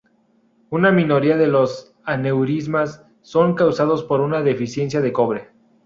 Una minoría de los aneurismas son causados por una deficiencia de cobre.